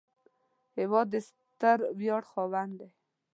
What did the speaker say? هېواد د ستر ویاړ خاوند دی